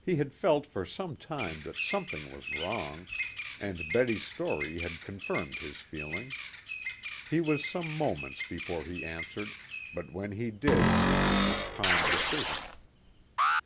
He had felt for some time that something was wrong, and Betty's story had confirmed his feeling. He was some moments before he answered, but when he did it was with calm decision.